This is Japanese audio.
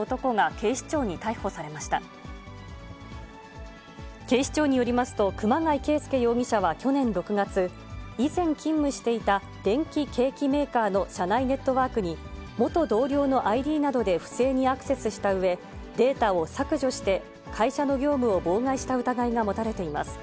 警視庁によりますと、熊谷圭輔容疑者は去年６月、以前勤務していた電気計器メーカーの社内ネットワークに、元同僚のＩＤなどで不正にアクセスしたうえ、データを削除して会社の業務を妨害した疑いが持たれています。